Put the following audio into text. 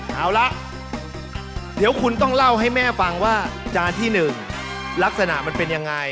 เอาละเดี๋ยวคุณต้องเล่าให้แม่ฟังว่าจานที่๑ลักษณะมันเป็นยังไง